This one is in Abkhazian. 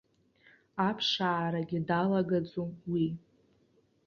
Аԥшаарагьы далагаӡом уи.